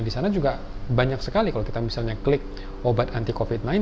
di sana juga banyak sekali kalau kita misalnya klik obat anti covid sembilan belas